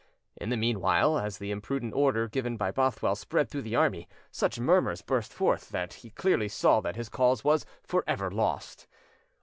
In the meanwhile, as the imprudent order given by Bothwell spread through the army, such murmurs burst forth that he clearly saw that his cause was for ever lost.